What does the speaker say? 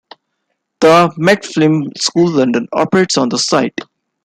The Met Film School London operates on the site.